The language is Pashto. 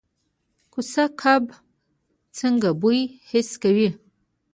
کوسه کب څنګه بوی حس کوي؟